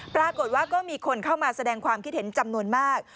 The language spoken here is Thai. ปรากฏว่าก็มีคนเข้ามาแสดงความคิดเห็นจำนวนมาก